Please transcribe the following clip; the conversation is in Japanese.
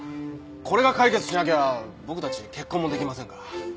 これが解決しなきゃ僕たち結婚も出来ませんから。